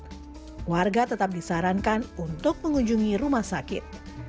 namun jika kondisi darurat warga tetap disarankan untuk mengunjungi rumah sakit